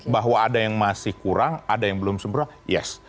bahwa ada yang masih kurang ada yang belum sembroh yes